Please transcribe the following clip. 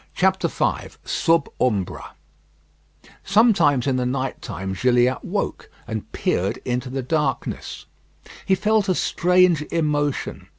V SUB UMBRA Sometimes in the night time Gilliatt woke and peered into the darkness. He felt a strange emotion.